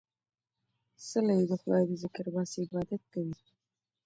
څله يې د خداى د ذکر باسې ، عبادت کوي